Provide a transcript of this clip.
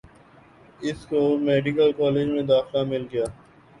اس کو medical college میں داخلہ مل گیا